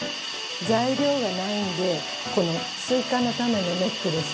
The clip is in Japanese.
材料がないんでこのスイカの種のネックレスとか。